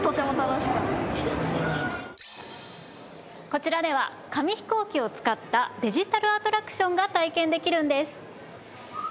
こちらでは紙ヒコーキを使ったデジタルアトラクションが体験できるんです。